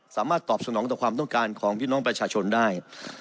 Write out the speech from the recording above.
สามารถตอบสนองต่อความต้องการของพี่น้องประชาชนได้